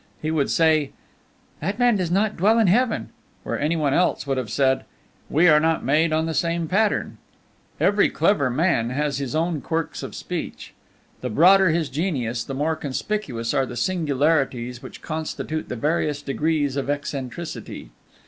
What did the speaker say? He would say, "That man does not dwell in heaven," where any one else would have said, "We are not made on the same pattern." Every clever man has his own quirks of speech. The broader his genius, the more conspicuous are the singularities which constitute the various degrees of eccentricity.